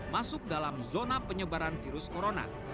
masuk dalam zona penyebaran virus corona